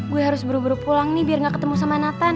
gue harus buru buru pulang nih biar gak ketemu sama nathan